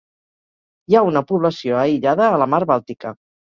Hi ha una població aïllada a la Mar Bàltica.